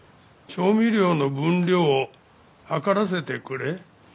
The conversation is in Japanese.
調味料の分量を量らせてくれ？